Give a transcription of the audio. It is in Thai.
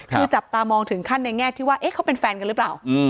คือจับตามองถึงขั้นในแง่ที่ว่าเขาเป็นแฟนกันหรือเปล่า